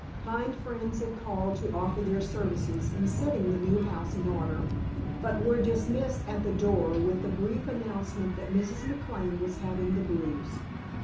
Kind friends had called to offer their services in setting the new house in order, but were dismissed at the door with the brief announcement that Mrs. McLane was having the blues.